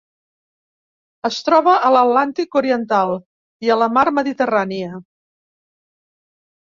Es troba a l'Atlàntic oriental i a la Mar Mediterrània.